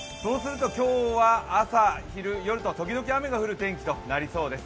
今日は朝昼夜とときどき雨が降る天気となりそうです。